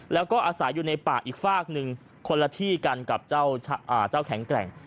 แล้วก็อาศัยอยู่ในป่าอีกฝากหนึ่งคนละที่กันกับเจ้าแข็งแกร่ง